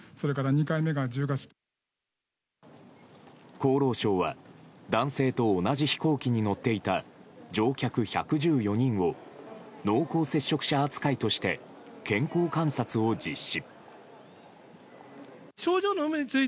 厚労省は男性と同じ飛行機に乗っていた乗客１１４人を濃厚接触者扱いとして健康観察を実施。